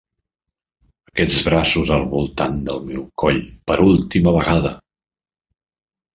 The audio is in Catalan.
Aquests braços al voltant del meu coll per última vegada!